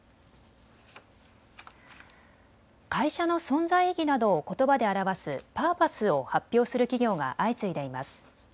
会社の存在意義などをことばで表すパーパスを発表する企業が相次いでいます。